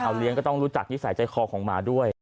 เอาเลี้ยงก็ต้องรู้จักนิสัยใจคอของหมาด้วย